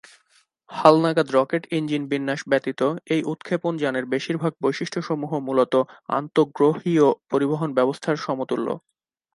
হালনাগাদ rocket engine বিন্যাস ব্যতীত, এই উৎক্ষেপণ যানের বেশিরভাগ বৈশিষ্ট্যসমূহ মূলত আন্তঃগ্রহীয় পরিবহন ব্যবস্থার সমতুল্য।